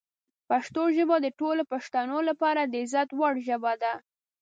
پښتو ژبه د ټولو پښتنو لپاره د عزت وړ ژبه ده.